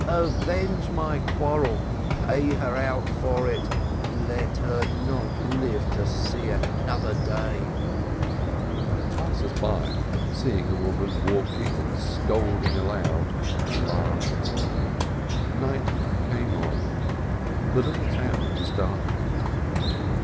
Avenge my quarrel, pay her out for it, let her not live to see another day !" 518 ASCH Passers by, seeing a woman walking and scolding aloud, laughed. .flight came on, the little town was darkened.